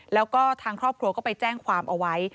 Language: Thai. แล้วก็ทางครอบครัวก็ไปแจ้งความเอาไว้